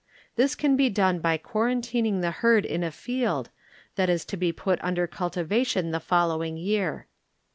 This can be done by quarantining the herd in a field, that is to be put under cultivation the following year.